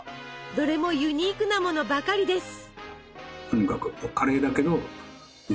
どれもユニークなものばかりです！